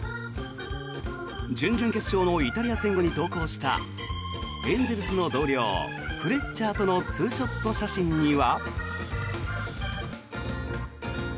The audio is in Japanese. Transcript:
準々決勝のイタリア戦後に投稿したエンゼルスの同僚フレッチャーとのツーショット写真には。